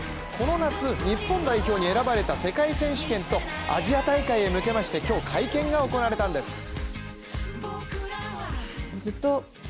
この夏、日本代表に選ばれた世界選手権とアジア大会へ向けまして今日、会見が行われたんです。